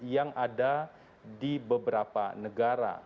yang ada di beberapa negara